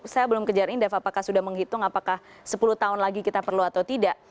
saya belum kejar indef apakah sudah menghitung apakah sepuluh tahun lagi kita perlu atau tidak